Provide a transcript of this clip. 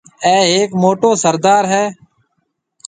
اَي هيڪ موٽو سردار هيَ۔